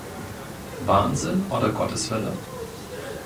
Wahnsinn oder Gottes Wille?